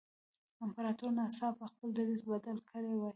امپراتور ناڅاپه خپل دریځ بدل کړی وای.